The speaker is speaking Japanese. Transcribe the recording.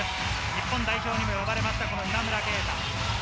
日本代表に選ばれました、今村佳太。